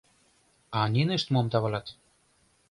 — А нинышт мом тавалат?